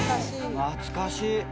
懐かしい！